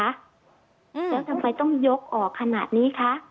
แล้วทำไมต้องยกออกขนาดนี้คะ